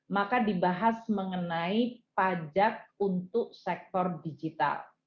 maka dibahas mengenai pajak untuk sektor digital